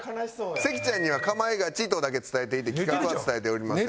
関ちゃんには『かまいガチ』とだけ伝えていて企画は伝えておりません。